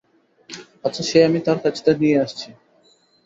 আচ্ছা, সে আমি তার কাছ থেকে নিয়ে আসছি।